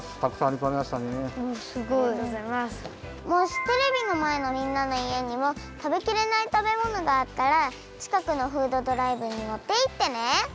もしテレビのまえのみんなのいえにも食べきれない食べ物があったらちかくのフードドライブに持っていってね。